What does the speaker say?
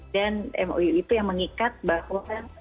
dan mou itu mengikat bahwa